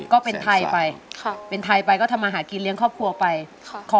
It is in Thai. ก็เป็นไทยไปค่ะเป็นไทยไปก็ทำมาหากินเลี้ยงครอบครัวไปค่ะขอ